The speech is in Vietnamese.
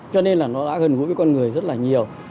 cho nên là nó đã gần gũi với con người rất là nhiều